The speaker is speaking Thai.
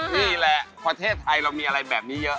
นี่แหละประเทศไทยเรามีอะไรแบบนี้เยอะ